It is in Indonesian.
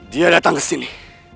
dia datang ke sini